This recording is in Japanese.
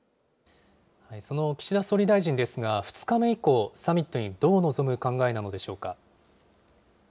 その岸田総理大臣ですが、２日目以降、サミットにどう臨む考